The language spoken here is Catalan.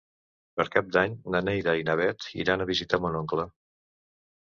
Per Cap d'Any na Neida i na Bet iran a visitar mon oncle.